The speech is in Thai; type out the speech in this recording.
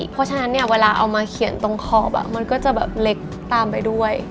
เพราะฉะนั้นเนี่ยเวลาเอามาเขียนตรงขอบมันก็จะแบบเล็กตามไปด้วย